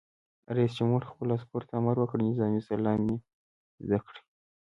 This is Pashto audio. رئیس جمهور خپلو عسکرو ته امر وکړ؛ نظامي سلامي زده کړئ!